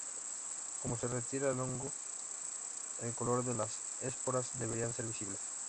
Cuando se retira el hongo, el color de las esporas debería ser visible.